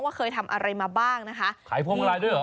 ว่าเคยทำอะไรมาบ้างนะคะ